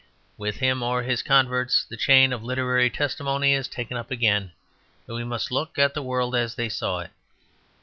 With him or his converts the chain of literary testimony is taken up again; and we must look at the world as they saw it.